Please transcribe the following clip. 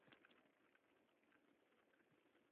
Nima arzimabdimi, axir oldimizda fasllar kelinchagi turibdi.